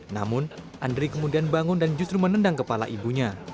namun andri kemudian bangun dan justru menendang kepala ibunya